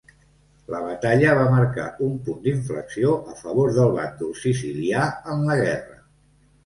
La batalla va marcar un punt d'inflexió a favor del bàndol sicilià en la guerra.